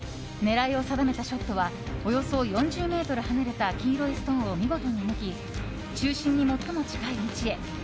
狙いを定めたショットはおよそ４０ｍ離れた黄色いストーンを見事に射抜き中心に最も近い位置へ。